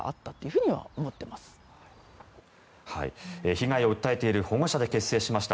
被害を訴えている保護者で結成しました